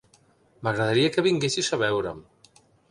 M'agradaria que vinguessis a veure'm.